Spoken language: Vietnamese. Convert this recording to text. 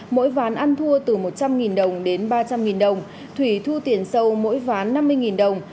mỗi ván ăn thua từ một trăm linh đồng đến ba trăm linh đồng thủy thu tiền sâu mỗi ván năm mươi đồng